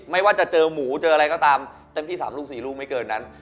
ไม่ว่าจะเจอหมูเจออะไรก็ตามเต็มที่๓ลูก๔ลูกไม่เกินนั้น